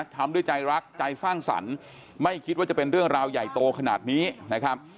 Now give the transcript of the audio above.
ทำด้วยใจรักใจสร้างสรรค์ไม่คิดว่าจะเป็นเรื่องราวใหญ่โตขนาดนี้นะครับ